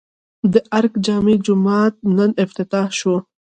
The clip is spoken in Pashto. د ارګ جامع جومات نن افتتاح شو